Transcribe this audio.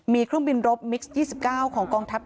มีเครื่องบินรบมิกซ์๒๙ของกองทัพ